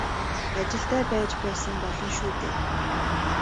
Ажилтай байж байсан болно шүү дээ.